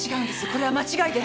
これは間違いで。